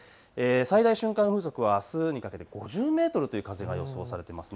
最大瞬間風速はあすにかけて５０メートルという風が予想されています。